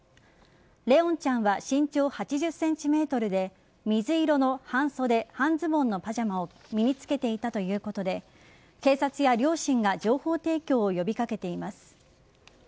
怜音ちゃんは、身長８０ｃｍで水色の半袖半ズボンのパジャマを身につけていたということで警察や両親が情報提供を呼び掛けています。